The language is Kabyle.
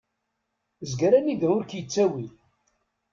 Zger anida ur k-yettawi.